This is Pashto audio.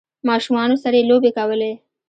ماشومانو سره یی لوبې کولې